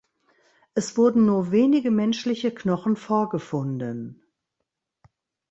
Es wurden nur wenige menschliche Knochen vorgefunden.